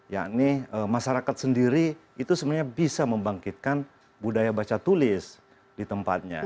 yakni masyarakat sendiri itu sebenarnya bisa membangkitkan budaya baca tulis di tempatnya